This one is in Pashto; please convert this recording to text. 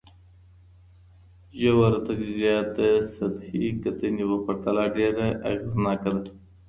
ژوره تجزیه د سطحي کتنې په پرتله ډېره اغېزناکه ده.